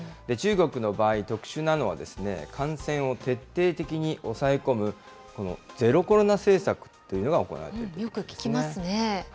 中国の場合、特殊なのは、感染を決定的に抑え込む、このゼロコロナ政策というのが行われているんよく聞きますね。